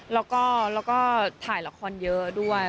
แล้วก็ถ่ายละครเยอะด้วย